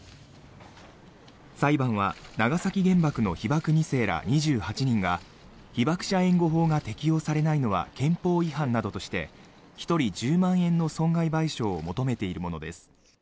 裁判は長崎原爆の被爆二世ら２８人が被爆者援護法が適用されないのは憲法違反などとして１人１０万円の損害賠償を求めているものです。